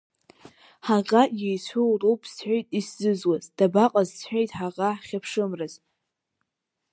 Ҳаӷа иеицәоу роуп сҳәеит исзызуз, дабаҟаз сҳәеит ҳаӷа ҳхьыԥшымраз…